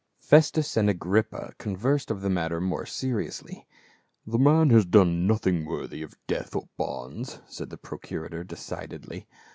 Festus and Agrippa conversed of the matter more seriously. " The man hath done nothing worthy of death or of bonds," said the procurator decidedly.